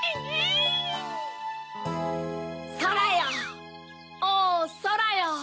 ・そらよ！